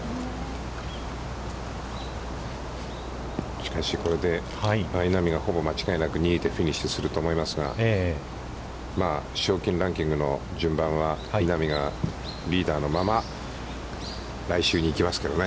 しかし、これで稲見が、ほぼ間違いなく２位でフィニッシュすると思いますが、賞金ランキングの順番は稲見がリーダーのまま来週に行きますけどね。